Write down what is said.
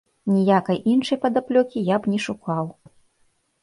Ніякай іншай падаплёкі я б не шукаў.